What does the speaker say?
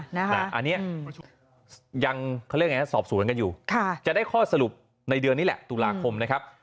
อันนี้ยังเขาเรียกไงสอบสวนกันอยู่จะได้ข้อสรุปในเดือนนี้แหละตุลาคมนะครับ